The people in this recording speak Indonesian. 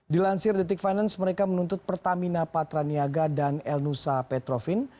dilansir detik finance mereka menuntut pertamina patraniaga dan elnusa petrovin